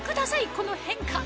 この変化！